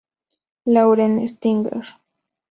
Lauren Stinger.